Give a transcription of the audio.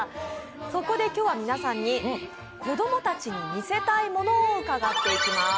そこで今日は皆さんに子供たちに見せたいものを伺っていきます。